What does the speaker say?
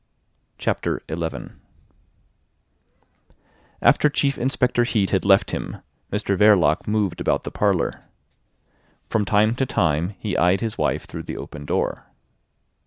CHAPTER XI After Chief Inspector Heat had left him Mr Verloc moved about the parlour. From time to time he eyed his wife through the open door.